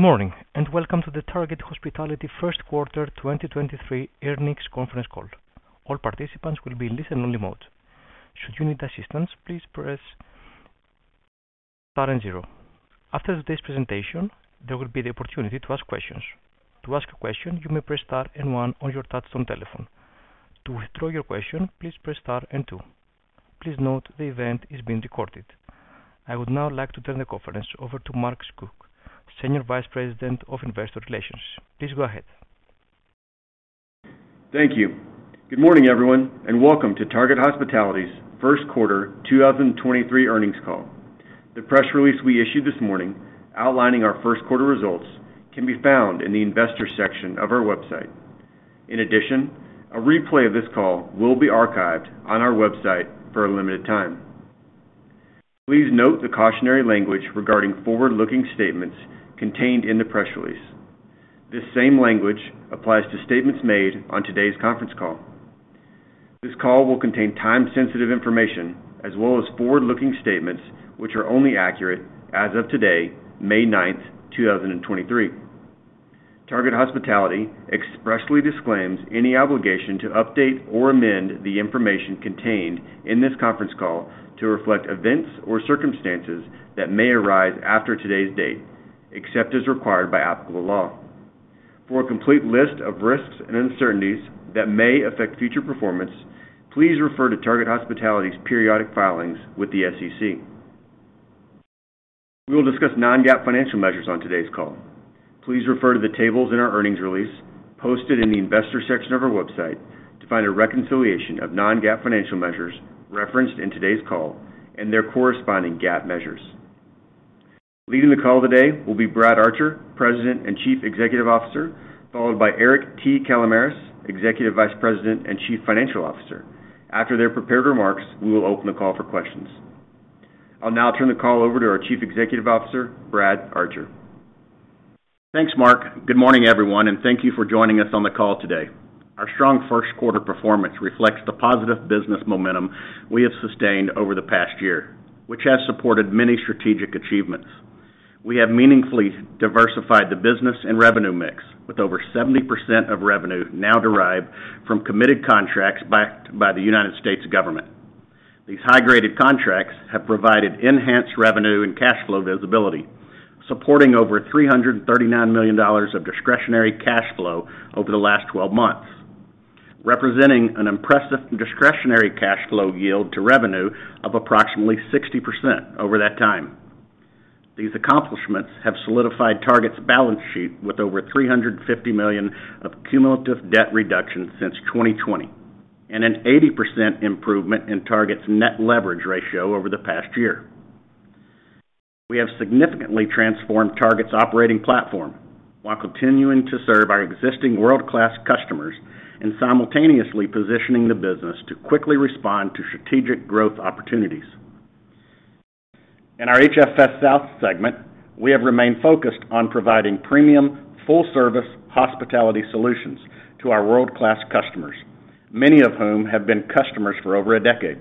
Good morning, welcome to the Target Hospitality First Quarter 2023 earnings conference call. All participants will be in listen-only mode. Should you need assistance, please press star and zero. After today's presentation, there will be the opportunity to ask questions. To ask a question, you may press star and one on your touch-tone telephone. To withdraw your question, please press star and two. Please note the event is being recorded. I would now like to turn the conference over to Mark Schuck, Senior Vice President of Investor Relations. Please go ahead. Thank you. Good morning, everyone, and welcome to Target Hospitality's first quarter 2023 earnings call. The press release we issued this morning outlining our first quarter results can be found in the Investors section of our website. In addition, a replay of this call will be archived on our website for a limited time. Please note the cautionary language regarding forward-looking statements contained in the press release. This same language applies to statements made on today's conference call. This call will contain time-sensitive information as well as forward-looking statements, which are only accurate as of today, May 9, 2023. Target Hospitality expressly disclaims any obligation to update or amend the information contained in this conference call to reflect events or circumstances that may arise after today's date, except as required by applicable law. For a complete list of risks and uncertainties that may affect future performance, please refer to Target Hospitality's periodic filings with the SEC. We will discuss non-GAAP financial measures on today's call. Please refer to the tables in our earnings release posted in the Investor section of our website to find a reconciliation of non-GAAP financial measures referenced in today's call and their corresponding GAAP measures. Leading the call today will be Brad Archer, President and Chief Executive Officer, followed by Eric T. Kalamaras, Executive Vice President and Chief Financial Officer. After their prepared remarks, we will open the call for questions. I'll now turn the call over to our Chief Executive Officer, Brad Archer. Thanks, Mark. Good morning, everyone, and thank you for joining us on the call today. Our strong first quarter performance reflects the positive business momentum we have sustained over the past year, which has supported many strategic achievements. We have meaningfully diversified the business and revenue mix with over 70% of revenue now derived from committed contracts backed by the United States government. These high-graded contracts have provided enhanced revenue and cash flow visibility, supporting over $339 million of Discretionary Cash Flow over the last 12 months, representing an impressive Discretionary Cash Flow yield to revenue of approximately 60% over that time. These accomplishments have solidified Target's balance sheet with over $350 million of cumulative debt reduction since 2020 and an 80% improvement in Target's net leverage ratio over the past year. We have significantly transformed Target's operating platform while continuing to serve our existing world-class customers and simultaneously positioning the business to quickly respond to strategic growth opportunities. In our HFS – South segment, we have remained focused on providing premium full-service hospitality solutions to our world-class customers, many of whom have been customers for over a decade.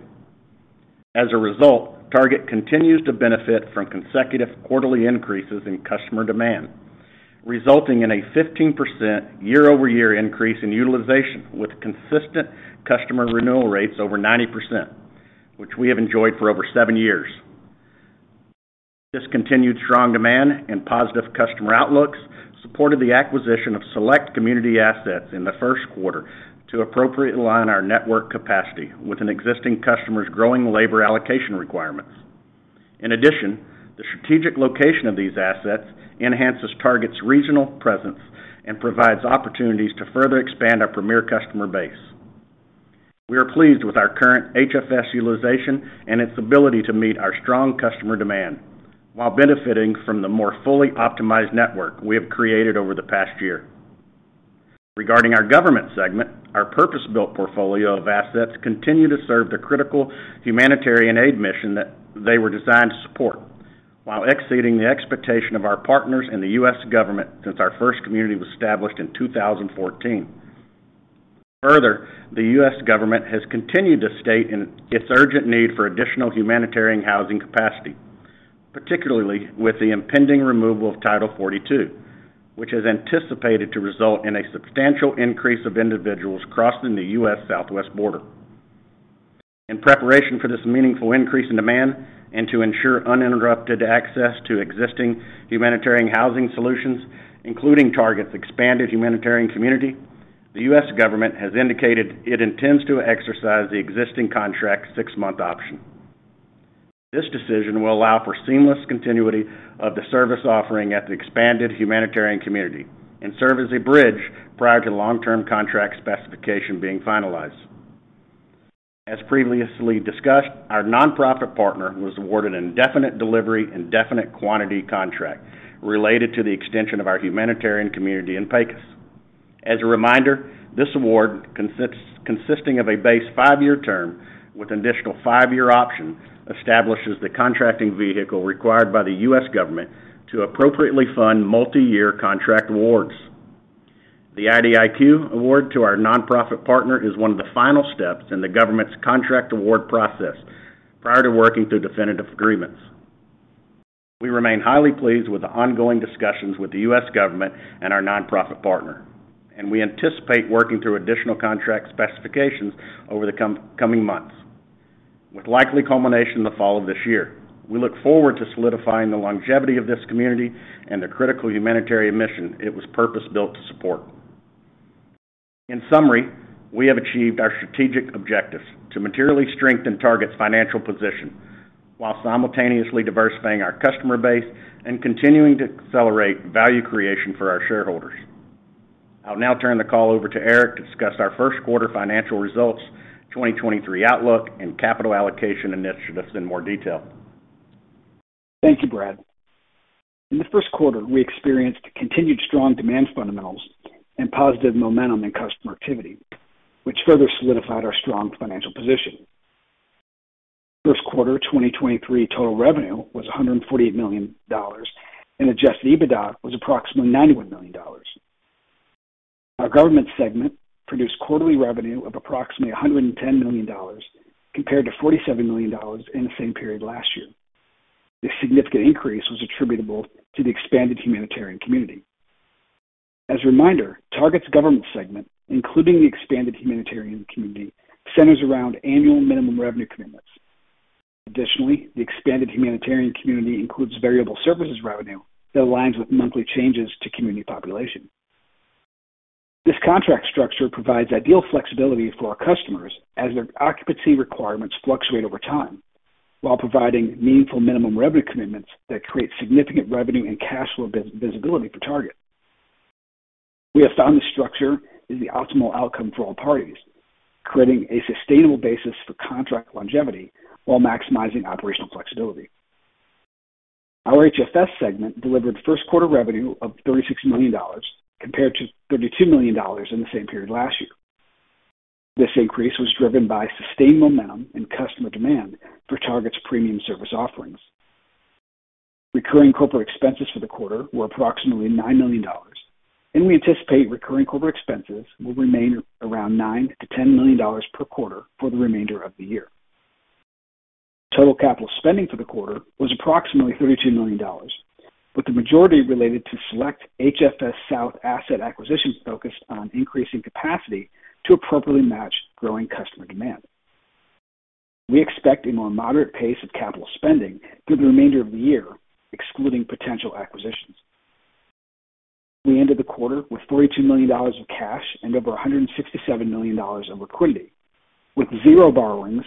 As a result, Target continues to benefit from consecutive quarterly increases in customer demand, resulting in a 15% year-over-year increase in utilization with consistent customer renewal rates over 90%, which we have enjoyed for over seven years. This continued strong demand and positive customer outlooks supported the acquisition of select community assets in the first quarter to appropriately align our network capacity with an existing customer's growing labor allocation requirements. In addition, the strategic location of these assets enhances Target's regional presence and provides opportunities to further expand our premier customer base. We are pleased with our current HFS utilization and its ability to meet our strong customer demand while benefiting from the more fully optimized network we have created over the past year. Regarding our government segment, our purpose-built portfolio of assets continue to serve the critical humanitarian aid mission that they were designed to support while exceeding the expectation of our partners in the U.S. government since our first community was established in 2014. The U.S. government has continued to state its urgent need for additional humanitarian housing capacity, particularly with the impending removal of Title 42, which is anticipated to result in a substantial increase of individuals crossing the U.S. southwest border. In preparation for this meaningful increase in demand and to ensure uninterrupted access to existing humanitarian housing solutions, including Target's expanded humanitarian community, the U.S. government has indicated it intends to exercise the existing contract six-month option. This decision will allow for seamless continuity of the service offering at the expanded humanitarian community and serve as a bridge prior to long-term contract specification being finalized. As previously discussed, our nonprofit partner was awarded an indefinite delivery, indefinite quantity contract related to the extension of our humanitarian community in Pecos. As a reminder, this award consisting of a base five-year term with an additional five-year option establishes the contracting vehicle required by the U.S. government to appropriately fund multi-year contract awards. The IDIQ award to our nonprofit partner is one of the final steps in the government's contract award process prior to working through definitive agreements. We remain highly pleased with the ongoing discussions with the U.S. government and our nonprofit partner, we anticipate working through additional contract specifications over the coming months, with likely culmination in the fall of this year. We look forward to solidifying the longevity of this community and the critical humanitarian mission it was purpose-built to support. In summary, we have achieved our strategic objectives to materially strengthen Target's financial position while simultaneously diversifying our customer base and continuing to accelerate value creation for our shareholders. I'll now turn the call over to Eric to discuss our first quarter financial results, 2023 outlook, and capital allocation initiatives in more detail. Thank you, Brad. In the first quarter, we experienced continued strong demand fundamentals and positive momentum in customer activity, which further solidified our strong financial position. First quarter 2023 total revenue was $148 million, and adjusted EBITDA was approximately $91 million. Our government segment produced quarterly revenue of approximately $110 million compared to $47 million in the same period last year. This significant increase was attributable to the expanded humanitarian community. As a reminder, Target's government segment, including the expanded humanitarian community, centers around annual minimum revenue commitments. Additionally, the expanded humanitarian community includes variable services revenue that aligns with monthly changes to community population. This contract structure provides ideal flexibility for our customers as their occupancy requirements fluctuate over time, while providing meaningful minimum revenue commitments that create significant revenue and cash flow vis-visibility for Target. We have found this structure is the optimal outcome for all parties, creating a sustainable basis for contract longevity while maximizing operational flexibility. Our HFS segment delivered first quarter revenue of $36 million compared to $32 million in the same period last year. This increase was driven by sustained momentum and customer demand for Target's premium service offerings. Recurring corporate expenses for the quarter were approximately $9 million, and we anticipate recurring corporate expenses will remain around $9 million-$10 million per quarter for the remainder of the year. Total capital spending for the quarter was approximately $32 million, with the majority related to select HFS – South asset acquisitions focused on increasing capacity to appropriately match growing customer demand. We expect a more moderate pace of capital spending through the remainder of the year, excluding potential acquisitions. We ended the quarter with $42 million of cash and over $167 million of liquidity, with zero borrowings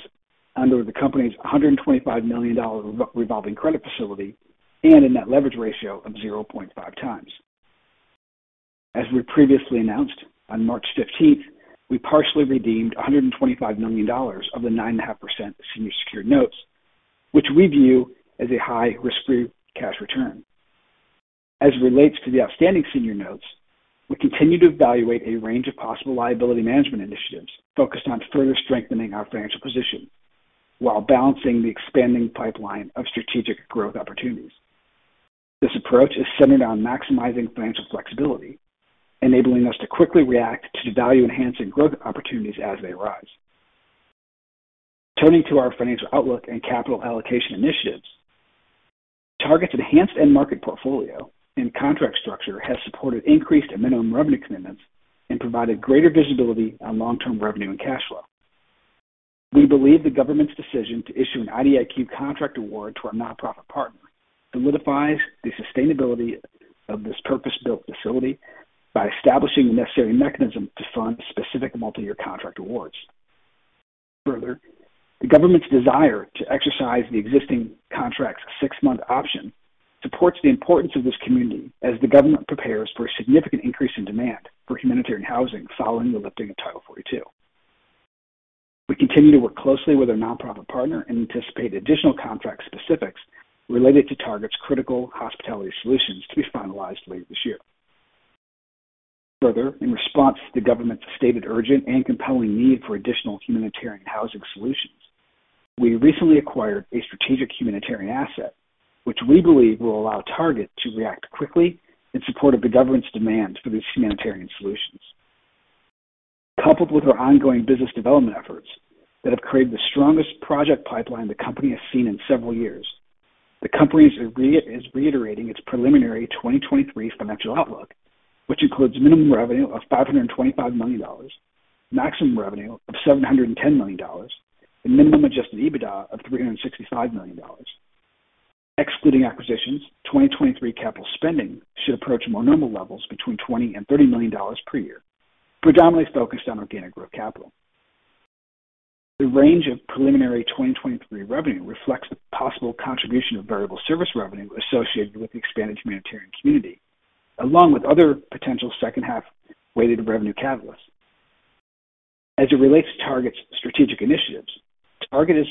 under the company's $125 million revolving credit facility and a net leverage ratio of 0.5x. We previously announced on March 15th, we partially redeemed $125 million of the 9.5% Senior Secured Notes, which we view as a high risk-free cash return. It relates to the outstanding Senior Notes, we continue to evaluate a range of possible liability management initiatives focused on further strengthening our financial position while balancing the expanding pipeline of strategic growth opportunities. This approach is centered on maximizing financial flexibility, enabling us to quickly react to value-enhancing growth opportunities as they arise. Turning to our financial outlook and capital allocation initiatives. Target's enhanced end market portfolio and contract structure has supported increased and minimum revenue commitments and provided greater visibility on long-term revenue and cash flow. We believe the government's decision to issue an IDIQ contract award to our nonprofit partner solidifies the sustainability of this purpose-built facility by establishing the necessary mechanism to fund specific multi-year contract awards. Further, the government's desire to exercise the existing contract's six-month option supports the importance of this community as the government prepares for a significant increase in demand for humanitarian housing following the lifting of Title 42. We continue to work closely with our nonprofit partner and anticipate additional contract specifics related to Target's critical hospitality solutions to be finalized later this year. Further, in response to the government's stated urgent and compelling need for additional humanitarian housing solutions, we recently acquired a strategic humanitarian asset, which we believe will allow Target to react quickly in support of the government's demands for these humanitarian solutions. Coupled with our ongoing business development efforts that have created the strongest project pipeline the company has seen in several years, the company is reiterating its preliminary 2023 financial outlook, which includes minimum revenue of $525 million, maximum revenue of $710 million, and minimum adjusted EBITDA of $365 million. Excluding acquisitions, 2023 capital spending should approach more normal levels between $20 million and $30 million per year, predominantly focused on organic growth capital. The range of preliminary 2023 revenue reflects the possible contribution of variable services revenue associated with the expanded humanitarian community, along with other potential second-half weighted revenue catalysts. As it relates to Target's strategic initiatives, Target is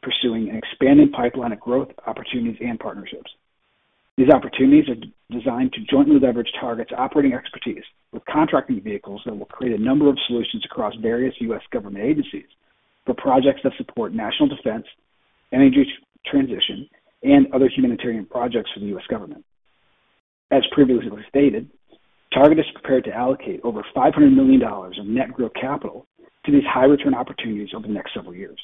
pursuing an expanding pipeline of growth opportunities and partnerships. These opportunities are designed to jointly leverage Target's operating expertise with contracting vehicles that will create a number of solutions across various U.S. government agencies for projects that support national defense, energy transition and other humanitarian projects for the U.S. government. As previously stated, Target is prepared to allocate over $500 million of net real capital to these high return opportunities over the next several years.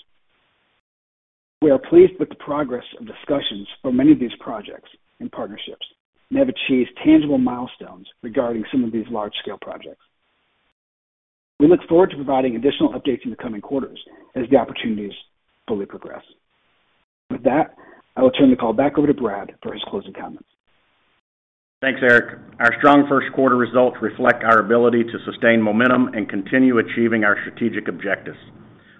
We are pleased with the progress of discussions for many of these projects and partnerships, and have achieved tangible milestones regarding some of these large-scale projects. We look forward to providing additional updates in the coming quarters as the opportunities fully progress. With that, I will turn the call back over to Brad for his closing comments. Thanks, Eric. Our strong first quarter results reflect our ability to sustain momentum and continue achieving our strategic objectives.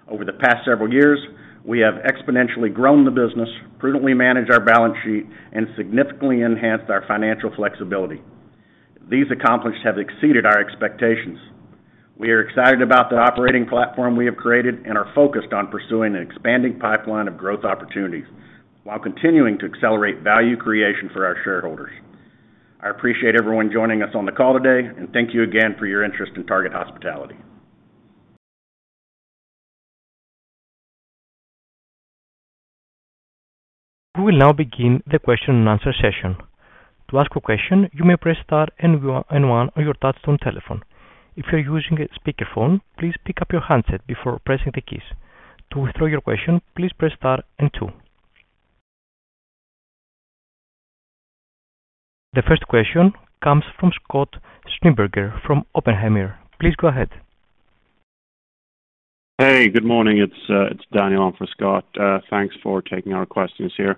Over the past several years, we have exponentially grown the business, prudently managed our balance sheet, and significantly enhanced our financial flexibility. These accomplishments have exceeded our expectations. We are excited about the operating platform we have created and are focused on pursuing an expanding pipeline of growth opportunities while continuing to accelerate value creation for our shareholders. I appreciate everyone joining us on the call today and thank you again for your interest in Target Hospitality. We will now begin the question and answer session. To ask a question, you may press star and one on your touch-tone telephone. If you're using a speakerphone, please pick up your handset before pressing the keys. To withdraw your question, please press star and two. The first question comes from Scott Schneeberger from Oppenheimer. Please go ahead. Hey, good morning. It's Daniel on for Scott. Thanks for taking our questions here.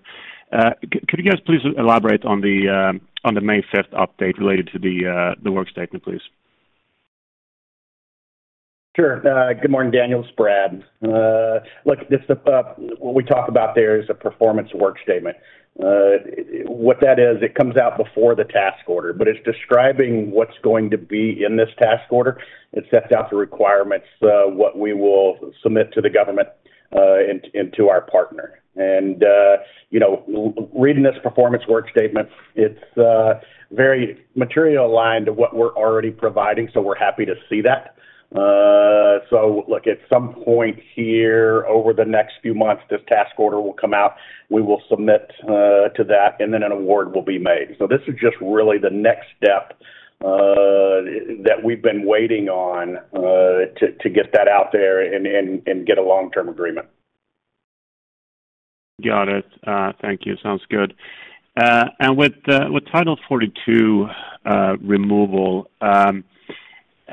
Could you guys please elaborate on the on the May 15th update related to the work statement, please? Sure. Good morning, Daniel, it's Brad. Look, this, what we talk about there is a performance work statement. What that is, it comes out before the task order, it's describing what's going to be in this task order. It sets out the requirements, what we will submit to the government, and to our partner. You know, reading this performance work statement, it's very materially aligned to what we're already providing, we're happy to see that. Look, at some point here over the next few months, this task order will come out. We will submit to that, an award will be made. This is just really the next step that we've been waiting on to get that out there and get a long-term agreement. Got it. Thank you. Sounds good. With Title 42 removal,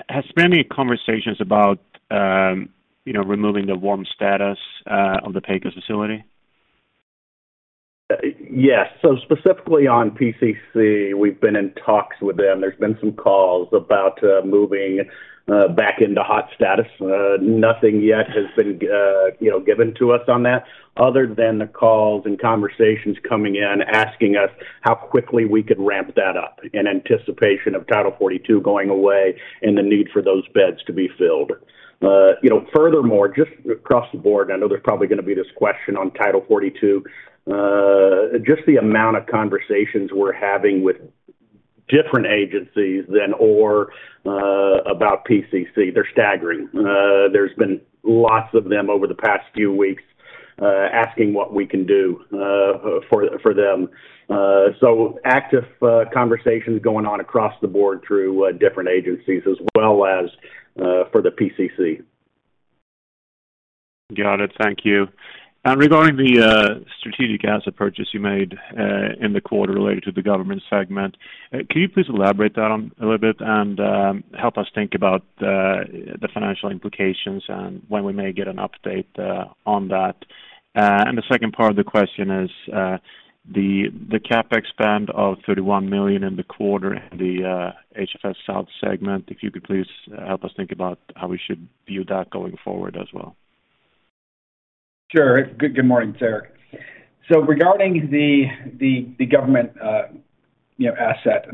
has there been any conversations about, you know, removing the warm status of the Pecos facility? Yes. Specifically on PCC, we've been in talks with them. There's been some calls about moving back into hot status. Nothing yet has been, you know, given to us on that other than the calls and conversations coming in, asking us how quickly we could ramp that up in anticipation of Title 42 going away and the need for those beds to be filled. You know, furthermore, just across the board, I know there's probably gonna be this question on Title 42, just the amount of conversations we're having with different agencies or about PCC, they're staggering. There's been lots of them over the past few weeks, asking what we can do for them. Active conversations going on across the board through different agencies as well as for the PCC. Got it. Thank you. Regarding the strategic asset purchase you made in the quarter related to the government segment, can you please elaborate that on a little bit and help us think about the financial implications and when we may get an update on that? The second part of the question is the CapEx spend of $31 million in the quarter in the HFS – South segment, if you could please help us think about how we should view that going forward as well. Sure. Good morning, sir. Regarding the government, you know, asset,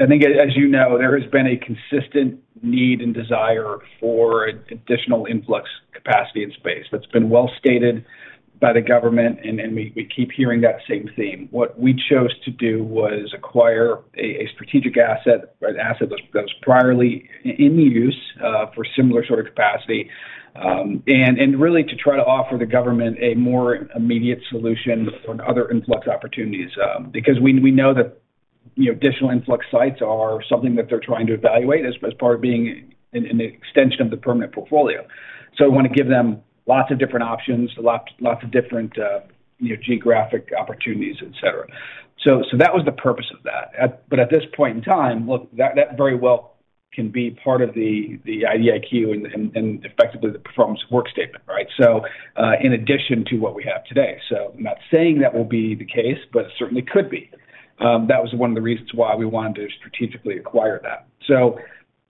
I think as you know, there has been a consistent need and desire for additional influx capacity and space. That's been well stated by the government, and then we keep hearing that same theme. What we chose to do was acquire a strategic asset, an asset that was priorly in use, for similar sort of capacity. And really to try to offer the government a more immediate solution for other influx opportunities, because we know that, you know, additional influx sites are something that they're trying to evaluate as part of being an extension of the permanent portfolio. We wanna give them lots of different options, lots of different, you know, geographic opportunities, et cetera. That was the purpose of that. But at this point in time, look, that very well can be part of the IDIQ and effectively the performance work statement, right? In addition to what we have today. I'm not saying that will be the case, but it certainly could be. That was one of the reasons why we wanted to strategically acquire that.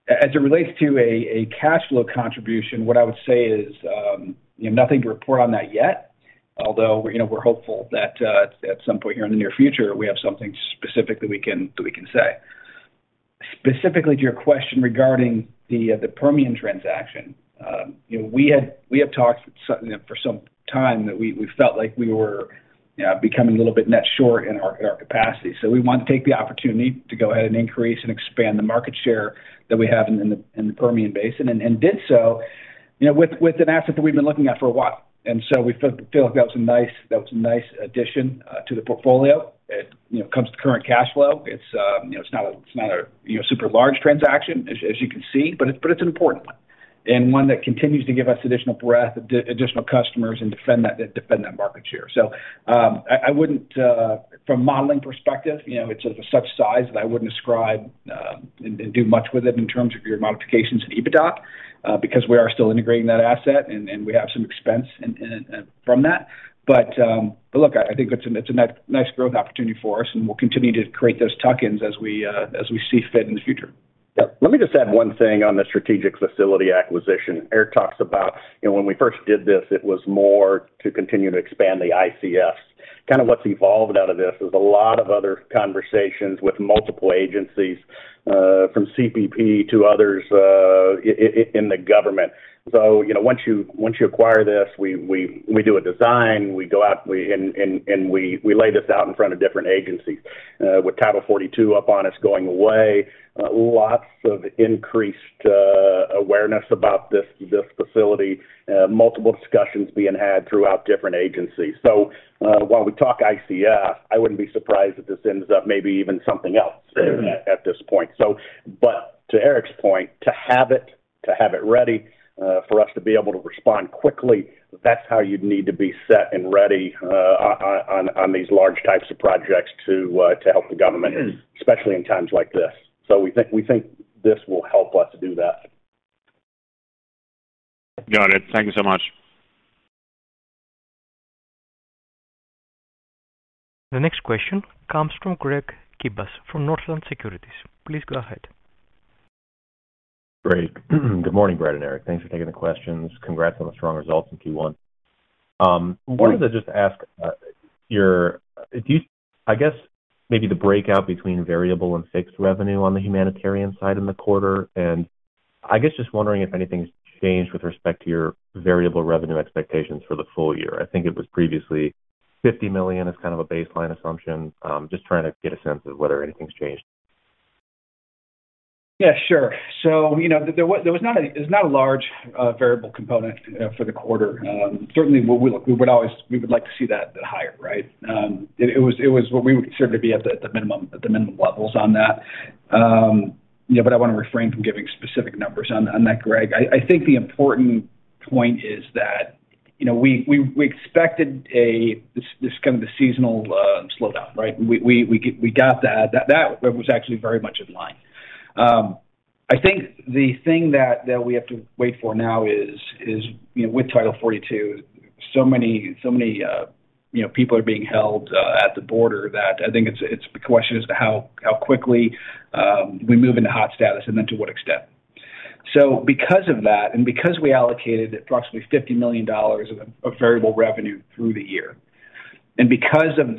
As it relates to a cash flow contribution, what I would say is, you know, nothing to report on that yet, although, you know, we're hopeful that at some point here in the near future, we have something specific that we can, that we can say. Specifically to your question regarding the Permian transaction, you know, we have talked for some time that we felt like we were Yeah, becoming a little bit net short in our, in our capacity. We want to take the opportunity to go ahead and increase and expand the market share that we have in the Permian Basin and did so, you know, with an asset that we've been looking at for a while. We feel like that was a nice, that was a nice addition to the portfolio. It, you know, comes to current cash flow. It's, you know, it's not a, you know, super large transaction as you can see, but it's an important one and one that continues to give us additional breadth, additional customers and defend that market share. I wouldn't, from a modeling perspective, you know, it's of a such size that I wouldn't ascribe, and do much with it in terms of your modifications in EBITDA, because we are still integrating that asset and we have some expense from that. But look, I think it's a nice growth opportunity for us, and we'll continue to create those tuck-ins as we see fit in the future. Let me just add one thing on the strategic facility acquisition. Eric talks about, you know, when we first did this, it was more to continue to expand the ICFs. Kinda what's evolved out of this is a lot of other conversations with multiple agencies, from CBP to others, in the government. You know, once you acquire this, we do a design, we go out, we lay this out in front of different agencies. With Title 42 up on us going away, lots of increased awareness about this facility, multiple discussions being had throughout different agencies. While we talk ICF, I wouldn't be surprised if this ends up maybe even something else at this point. To Eric's point, to have it ready for us to be able to respond quickly, that's how you'd need to be set and ready on these large types of projects to help the government, especially in times like this. We think this will help us do that. Got it. Thank you so much. The next question comes from Greg Gibas from Northland Securities. Please go ahead. Great. Good morning, Brad and Eric. Thanks for taking the questions. Congrats on the strong results in Q1. I wanted to just ask, I guess maybe the breakout between variable and fixed revenue on the humanitarian side in the quarter, and I guess just wondering if anything's changed with respect to your variable revenue expectations for the full year. I think it was previously $50 million as kind of a baseline assumption. Just trying to get a sense of whether anything's changed. Yeah, sure. You know, there's not a large variable component for the quarter. Certainly we, look, we would like to see that higher, right? It was what we would consider to be at the minimum levels on that. You know, I wanna refrain from giving specific numbers on that, Greg. I think the important point is that, you know, we expected this kind of the seasonal slowdown, right? We got that. That was actually very much in line. I think the thing that we have to wait for now is, you know, with Title 42, so many, so many, you know, people are being held, at the border that I think it's the question as to how quickly, we move into hot status and then to what extent. Because of that, and because we allocated approximately $50 million of variable revenue through the year, and because of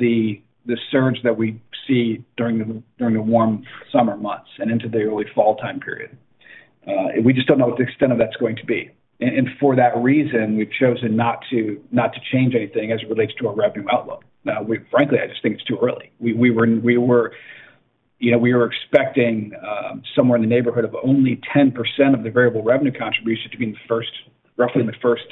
the surge that we see during the, during the warm summer months and into the early fall time period, we just don't know what the extent of that's going to be. And for that reason, we've chosen not to, not to change anything as it relates to our revenue outlook. Now, we-- frankly, I just think it's too early. We, we were, we were... You know, we were expecting, somewhere in the neighborhood of only 10% of the variable revenue contribution to be in the first, roughly in the first,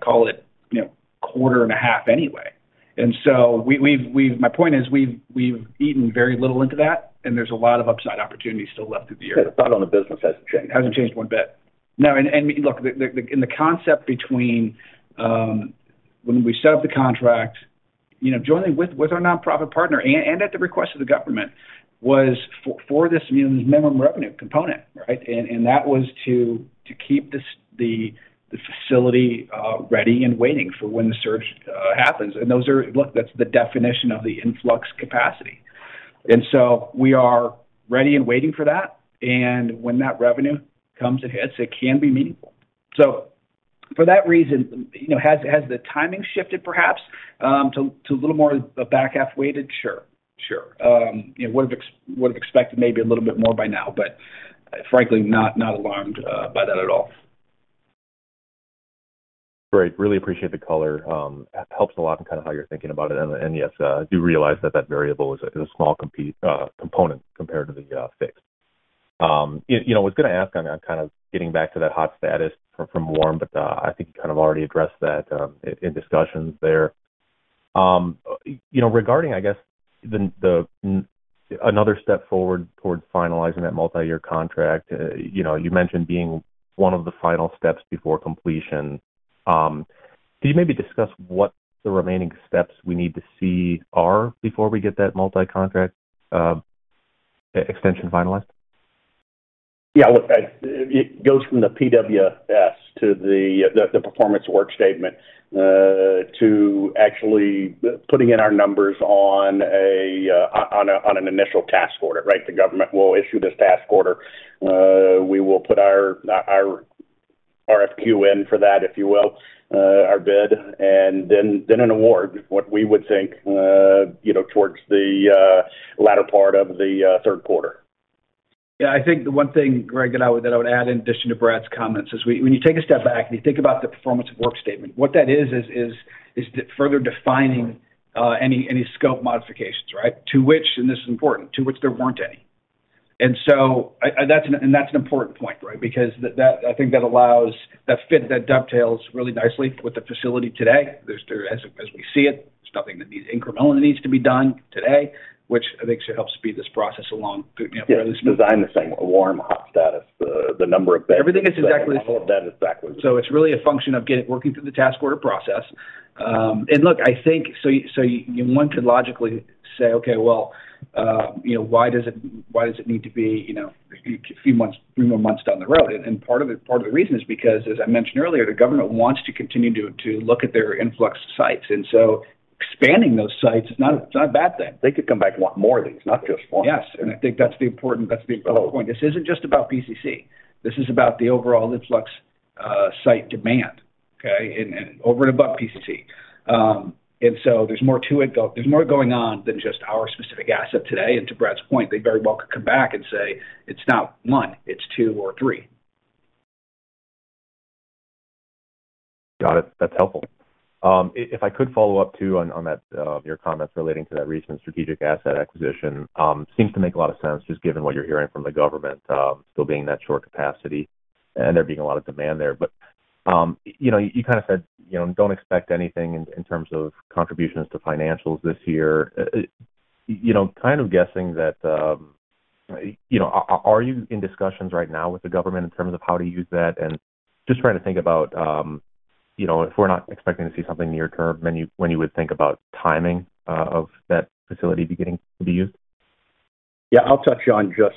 call it, you know, quarter and a half anyway. We've... my point is, we've eaten very little into that, and there's a lot of upside opportunities still left of the year. The thought on the business hasn't changed. Hasn't changed one bit. No, look, the and the concept between, when we set up the contract, you know, jointly with our nonprofit partner and at the request of the government, was for this minimum revenue component, right? That was to keep this the facility ready and waiting for when the surge happens. Look, that's the definition of the influx capacity. We are ready and waiting for that. When that revenue comes, it hits, it can be meaningful. For that reason, you know, has the timing shifted perhaps, to a little more back half-weighted? Sure. Sure. You know, would have expected maybe a little bit more by now, but frankly, not alarmed by that at all. Great. Really appreciate the color. Helps a lot in kind of how you're thinking about it. Yes, do realize that that variable is a small component compared to the fixed. You know, was gonna ask on kind of getting back to that hot status from warm, I think you kind of already addressed that in discussions there. You know, regarding, I guess, the another step forward towards finalizing that multi-year contract, you know, you mentioned being one of the final steps before completion. Could you maybe discuss what the remaining steps we need to see are before we get that multi-contract e-extension finalized? Yeah. Look, it goes from the PWS to the performance work statement to actually putting in our numbers on an initial task order, right? The government will issue this task order. We will put our RFQ in for that, if you will, our bid, and then an award, what we would think, you know, towards the latter part of the third quarter. Yeah, I think the one thing, Greg, that I would add in addition to Brad's comments is when you take a step back and you think about the performance of work statement, what that is further defining any scope modifications, right? To which, and this is important, to which there weren't any. That's an important point, right? That I think that allows that fit that dovetails really nicely with the facility today. There's still, as we see it, there's nothing that needs incremental needs to be done today, which I think should help speed this process along, you know, fairly smoothly. Yes. Design the same warm, hot status. The number of beds... Everything is exactly the same. All of that is backwards. It's really a function of getting working through the task order process. Look, I think one could logically say, "Okay, well, you know, why does it need to be, you know, a few months, few more months down the road?" Part of the reason is because, as I mentioned earlier, the government wants to continue to look at their influx sites. Expanding those sites is not a bad thing. They could come back and want more of these, not just one. Yes. I think that's the important point. This isn't just about PCC. This is about the overall influx site demand, okay? And over and above PCC. There's more to it. There's more going on than just our specific asset today. To Brad's point, they very well could come back and say, "It's not one, it's two or three. Got it. That's helpful. If I could follow up too on that, your comments relating to that recent strategic asset acquisition, seems to make a lot of sense just given what you're hearing from the government, still being that short capacity and there being a lot of demand there. You know, you kind of said, you know, don't expect anything in terms of contributions to financials this year. You know, kind of guessing that, you know, are you in discussions right now with the government in terms of how to use that? Just trying to think about, you know, if we're not expecting to see something near term, when you, when you would think about timing of that facility beginning to be used. Yeah. I'll touch on just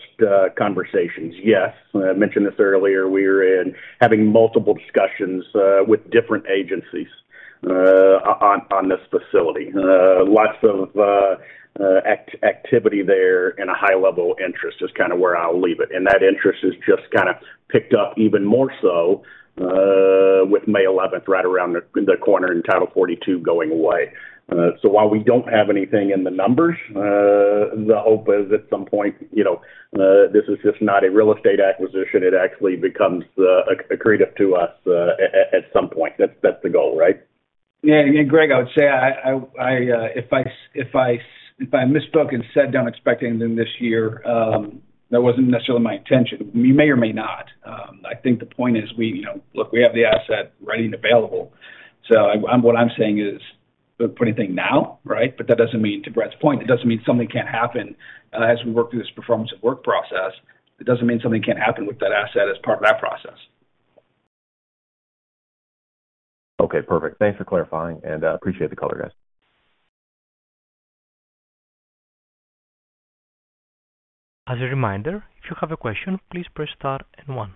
conversations. Yes. I mentioned this earlier. We're having multiple discussions on this facility. Lots of activity there and a high level interest is kind of where I'll leave it. That interest is just kinda picked up even more so with May 11th right around the corner and Title 42 going away. While we don't have anything in the numbers, the hope is at some point, you know, this is just not a real estate acquisition. It actually becomes accretive to us at some point. That's the goal, right? Yeah. Greg Gibas, I would say if I misspoke and said I'm expecting them this year, that wasn't necessarily my intention. We may or not. I think the point is we, you know, look, we have the asset ready and available. What I'm saying is we're putting anything now, right? That doesn't mean to Brad's point, it doesn't mean something can't happen, as we work through this performance and work process. It doesn't mean something can't happen with that asset as part of that process. Okay, perfect. Thanks for clarifying, and, appreciate the color, guys. As a reminder, if you have a question, please press star and one.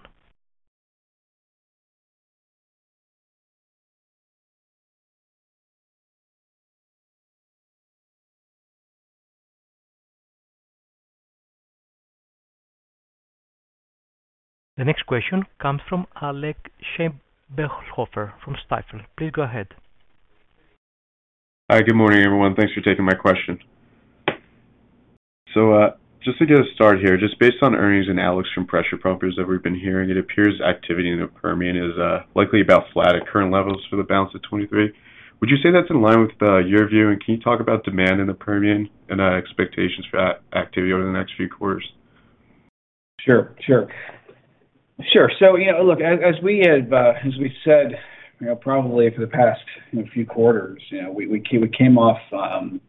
The next question comes from Alec Scheibelhoffer from Stifel. Please go ahead. Hi. Good morning, everyone. Thanks for taking my question. Just to get us started here, just based on earnings and analysis from pressure pumpers that we've been hearing, it appears activity in the Permian is likely about flat at current levels for the balance of 23. Would you say that's in line with your view? Can you talk about demand in the Permian and expectations for activity over the next few quarters? Sure. Sure. Sure. You know, look, as we have, as we said, you know, probably for the past few quarters, you know, we came off, you know,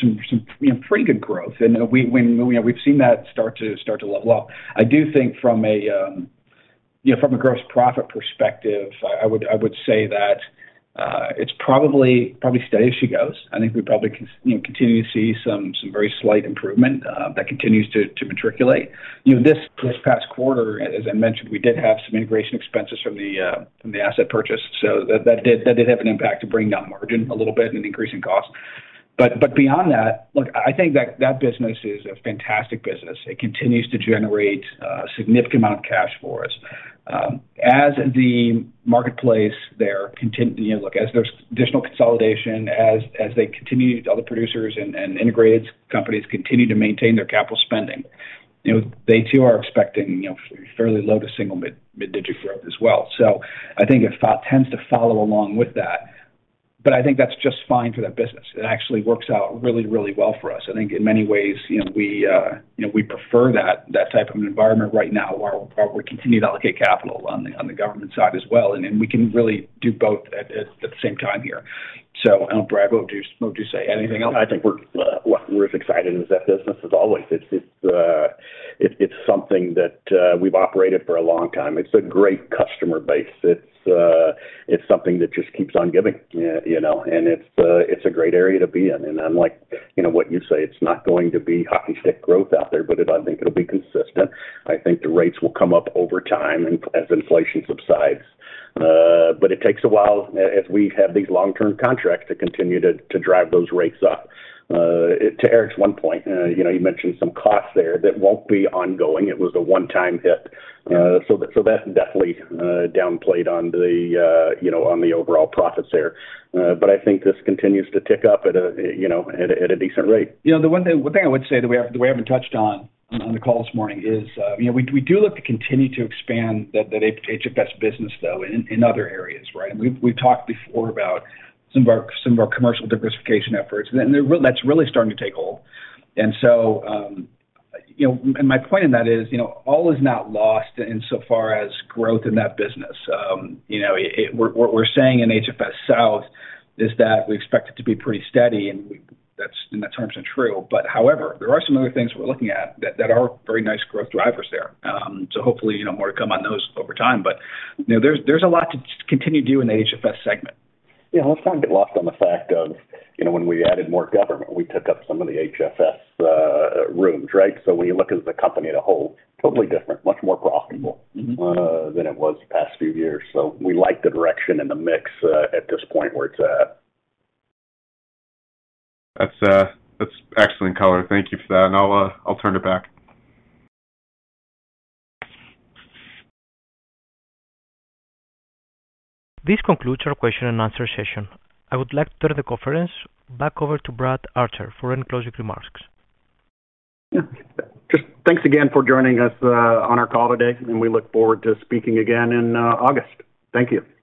some, you know, pretty good growth. We, when, you know, we've seen that start to level off. I do think from a, you know, from a gross profit perspective, I would say that it's probably steady as she goes. I think we probably, you know, continue to see some very slight improvement that continues to matriculate. You know, this past quarter, as I mentioned, we did have some integration expenses from the asset purchase. That did have an impact to bring down margin a little bit and increasing costs. Beyond that, look, I think that that business is a fantastic business. It continues to generate a significant amount of cash for us. As the marketplace there, you know, look, as there's additional consolidation, as they continue, the other producers and integrated companies continue to maintain their capital spending, you know, they too are expecting, you know, fairly low to single mid-digit growth as well. I think it tends to follow along with that. I think that's just fine for that business. It actually works out really, really well for us. I think in many ways, you know, we, you know, we prefer that type of environment right now while we continue to allocate capital on the government side as well. Then we can really do both at the same time here. Brad, what would you say? Anything else? I think we're as excited as that business is always. It's something that we've operated for a long time. It's a great customer base. It's something that just keeps on giving, you know. It's a great area to be in. Unlike, you know, what you say, it's not going to be hockey stick growth out there, but I think it'll be consistent. I think the rates will come up over time as inflation subsides. It takes a while as we have these long-term contracts to continue to drive those rates up. To Eric's one point, you know, you mentioned some costs there that won't be ongoing. It was a one-time hit. That definitely downplayed on the, you know, on the overall profits there. I think this continues to tick up at a, you know, at a decent rate. You know, the one thing I would say that we haven't touched on the call this morning is, you know, we do look to continue to expand that HFS business, though, in other areas, right? We've talked before about some of our commercial diversification efforts. That's really starting to take hold. My point in that is, all is not lost insofar as growth in that business. What we're saying in HFS – South is that we expect it to be pretty steady, and that's in that terms are true. However, there are some other things we're looking at that are very nice growth drivers there. Hopefully, more to come on those over time. You know, there's a lot to continue to do in the HFS segment. Yeah. Let's not get lost on the fact of, you know, when we added more government, we took up some of the HFS rooms, right? When you look as the company as a whole, totally different, much more profitable... Mm-hmm. than it was the past few years. We like the direction and the mix, at this point where it's at. That's excellent color. Thank you for that. I'll turn it back. This concludes our question and answer session. I would like to turn the conference back over to Brad Archer for any closing remarks. Yeah. Just thanks again for joining us, on our call today, and we look forward to speaking again in August. Thank you.